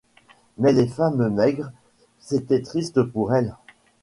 Mais les femmes maigres, c'était triste pour elles !